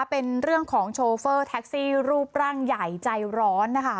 เป็นเรื่องของโชเฟอร์แท็กซี่รูปร่างใหญ่ใจร้อนนะคะ